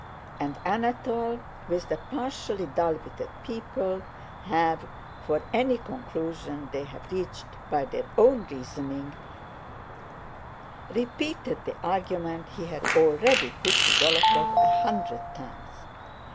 And Anatole, with the partiality dull witted people have for any conclusion they have reached by their own reasoning, repeated the argument he had already put to Dólokhov a hundred times.